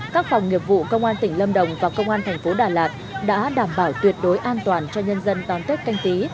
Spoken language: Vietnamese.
các phòng nghiệp vụ công an tỉnh lâm đồng và công an thành phố đà lạt đã đảm bảo tuyệt đối an toàn cho nhân dân đón tết canh tí